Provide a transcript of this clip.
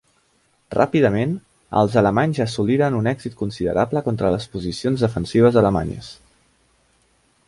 Ràpidament, els alemanys assoliren un èxit considerable contra les posicions defensives alemanyes.